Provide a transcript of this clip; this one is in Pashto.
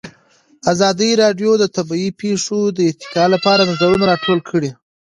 ازادي راډیو د طبیعي پېښې د ارتقا لپاره نظرونه راټول کړي.